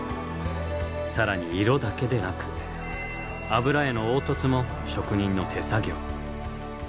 更に色だけでなく油絵の凹凸も職人の手作業。